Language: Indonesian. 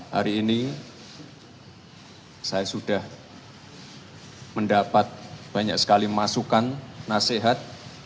hari ini saya sudah mendapat banyak sekali masukan nasihat